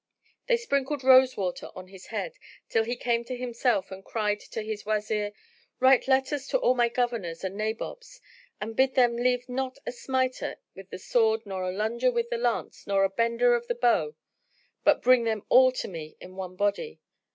They sprinkled rose water on his head, till he came to himself and cried to his Wazir, "Write letters to all my Governors and Nabobs, and bid them leave not a smiter with the sword nor a lunger with the lance nor a bender of the bow, but bring them all to me in one body."